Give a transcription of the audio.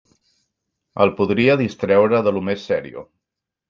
El podia distreure de lo més serio